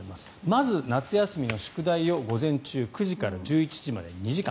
まず夏休みの宿題を午前中９時から１１時まで２時間。